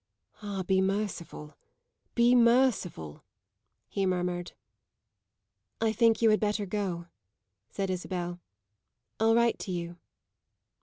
"Ah! be merciful, be merciful," he murmured. "I think you had better go," said Isabel. "I'll write to you."